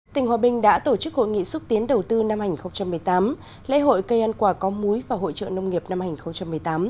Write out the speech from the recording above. tỉnh hòa bình đã tổ chức hội nghị xúc tiến đầu tư năm hai nghìn một mươi tám lễ hội cây ăn quả có múi và hội trợ nông nghiệp năm hai nghìn một mươi tám